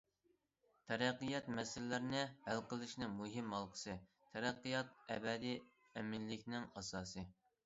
تەرەققىيات مەسىلىلەرنى ھەل قىلىشنىڭ مۇھىم ھالقىسى، تەرەققىيات ئەبەدىي ئەمىنلىكنىڭ ئاساسى.